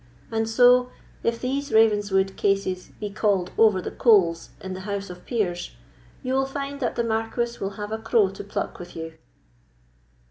And so, if these Ravenswood cases be called over the coals in the House of Peers, you will find that the Marquis will have a crow to pluck with you."